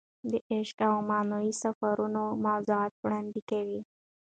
د عشق او معنوي سفرونو موضوعات وړاندې کوي.